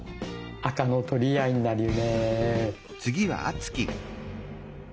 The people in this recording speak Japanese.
赤の取り合いになるね。